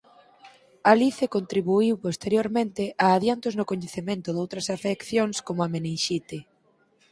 Alice contribuíu posteriormente a adiantos no coñecemento doutras afeccións como a meninxite.